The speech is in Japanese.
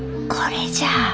これじゃあ。